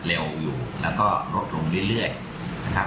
เร็วอยู่แล้วก็รถลงเรื่อยเรื่อยนะครับ